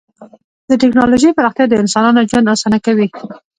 د ټکنالوژۍ پراختیا د انسانانو ژوند اسانه کوي.